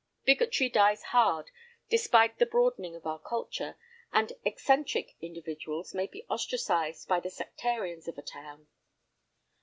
Bigotry dies hard despite the broadening of our culture, and "eccentric" individuals may be ostracized by the sectarians of a town.